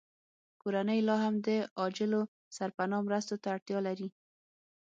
کورنۍ لاهم د عاجلو سرپناه مرستو ته اړتیا لري